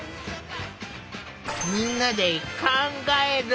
みんなで考える。